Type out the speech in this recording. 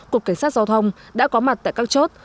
cục cảnh sát giao thông đã có mặt tại các chốt